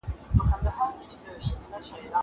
زه اوس قلم استعمالوموم.